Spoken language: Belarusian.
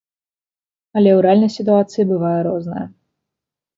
Але ў рэальнай сітуацыі бывае рознае.